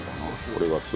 これが酢。